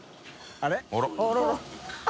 あれ？）